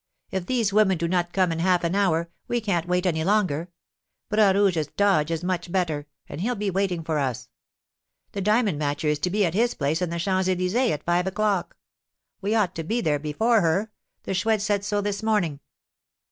If these women do not come in half an hour, we can't wait any longer; Bras Rouge's 'dodge' is much better, and he'll be waiting for us. The diamond matcher is to be at his place in the Champs Elysées at five o'clock. We ought to be there before her; the Chouette said so this morning."